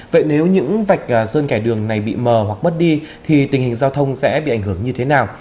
vậy nếu những vạch sơn kẻ đường này bị mờ hoặc mất đi thì tình hình giao thông sẽ bị ảnh hưởng như thế nào